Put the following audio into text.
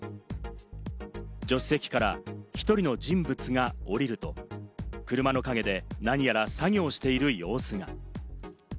助手席から１人の人物が降りると、車の陰で何やら作業をしている様子が。